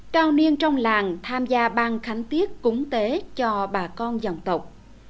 cao niên trong làng tham gia ban khánh tiết cúng tế cho bà con dòng tộc